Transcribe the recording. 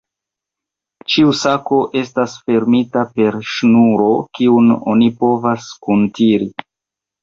Ĉiu sako estas fermita per ŝnuro, kiun oni povas kuntiri.